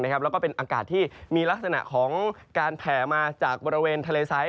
แล้วก็เป็นอากาศที่มีลักษณะของการแผ่มาจากบริเวณทะเลซ้าย